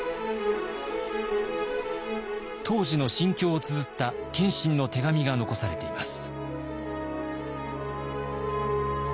当時の心境をつづった謙信の手紙が残されています。